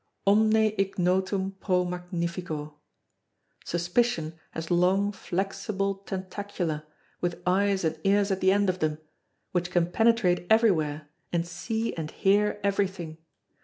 Omne ignotum pro magnifico. Suspicion has long flexible tentacula, with eyes and ears at the end of them, which can penetrate everywhere and see and hear everything.